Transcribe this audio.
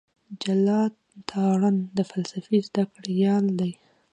جلال تارڼ د فلسفې زده کړيال دی.